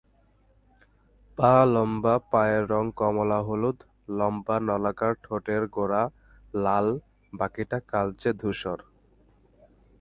পা লম্বা, পায়ের রং কমলা-হলুদ, লম্বা নলাকার ঠোঁটের গোড়া লাল, বাকিটা কালচে ধূসর।